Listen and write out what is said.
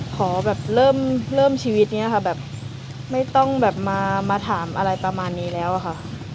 ขอแบบเริ่มชีวิตนี้ค่ะแบบไม่ต้องแบบมาถามอะไรประมาณนี้แล้วอะค่ะ